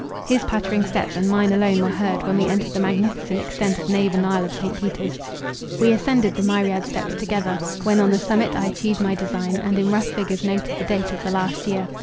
His pattering steps and mine alone were heard, when we entered the magnificent extent of nave and aisle of St. Peter's. We ascended the myriad steps together, when on the summit I achieved my design, and in rough figures noted the date of the last year.